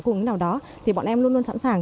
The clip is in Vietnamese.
cùng lúc nào đó thì bọn em luôn luôn sẵn sàng